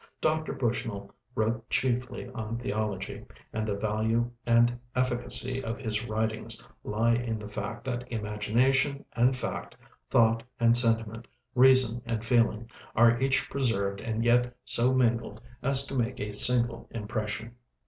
Dr. Bushnell wrote chiefly on theology, and the value and efficacy of his writings lie in the fact that imagination and fact, thought and sentiment, reason and feeling, are each preserved and yet so mingled as to make a single impression.